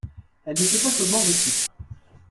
Elle n’était pas chaudement vêtue.